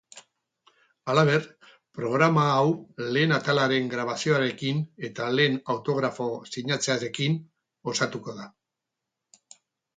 Halaber, programa hau lehen atalaren grabazioarekin eta lehen autografo sinatzearekin osatuko da.